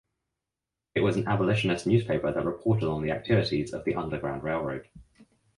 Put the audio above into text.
It was an abolitionist newspaper that reported on the activities of the Underground Railroad.